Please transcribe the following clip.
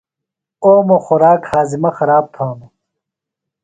اوموۡ خوراک ہاضِمہ خراب تھانوۡ۔